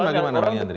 bagaimana bang yandri